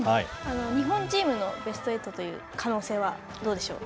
日本人のベスト８という可能性は、どうでしょう。